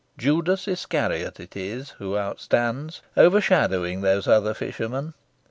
Judas Iscariot it is who outstands, overshadowing those other fishermen.